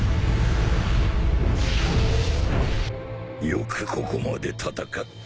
よくここまで戦った。